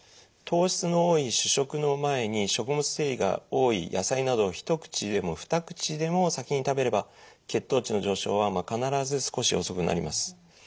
糖質の多い主食の前に食物繊維が多い野菜などを１口でも２口でも先に食べれば血糖値の上昇は必ず少し遅くなります。